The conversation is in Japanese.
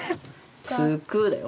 「つく」だよ。